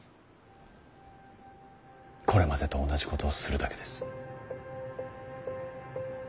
これまでと同じことをするだけです。